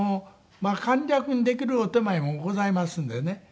簡略にできるお点前もございますのでね。